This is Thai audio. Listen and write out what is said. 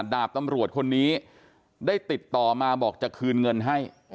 ดาบตำรวจคนนี้ได้ติดต่อมาบอกจะคืนเงินให้